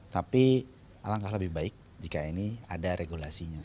tapi alangkah lebih baik jika ini ada regulasinya